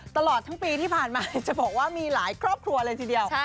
ตลอดทั้งปีที่ผ่านมาจะบอกว่ามีหลายครอบครัวเลยทีเดียว